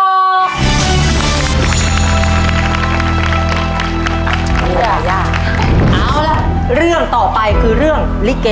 เอาแล้วเรื่องต่อไปคือเรื่องลิเก